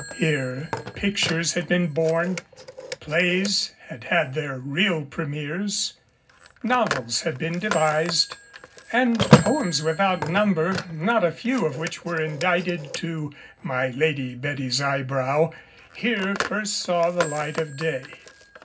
Here pictures had been born, plays had had their real premières, novels had been devised, and poems without number, not a few of which were indited to My Lady Betty's eyebrow, here first saw the light of day.